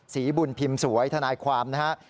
ศรีบุญพิมพ์สวยทนายความนะครับ